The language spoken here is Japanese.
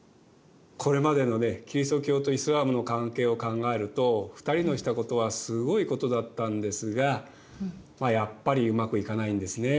これまでのねキリスト教とイスラームの関係を考えると２人のしたことはすごいことだったんですがやっぱりうまくいかないんですね。